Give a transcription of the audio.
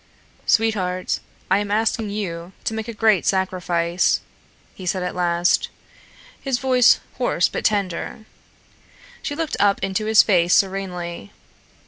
"Sweetheart, I am asking you to make a great sacrifice," he said at last, his voice hoarse but tender. She looked up into his face serenely.